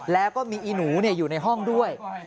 แล้วก็มีอีหนูอยู่ในห้องด้วย